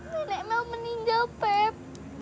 nenek mel meninggal pep